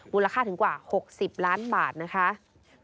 มูลค่าถึงกว่า๖๐ล้านบาทนะคะ